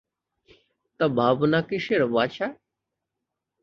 তা ভাবনা কিসের বাছা।